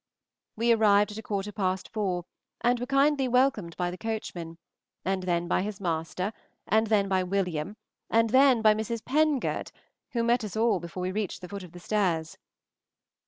We arrived at a quarter past four, and were kindly welcomed by the coachman, and then by his master, and then by William, and then by Mrs. Pengird, who all met us before we reached the foot of the stairs.